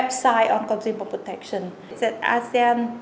kết quả tốt của cơ hội truyền thông asean